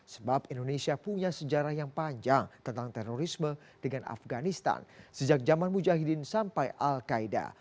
sebab indonesia punya sejarah yang panjang tentang terorisme dengan afganistan sejak zaman mujahidin sampai al qaeda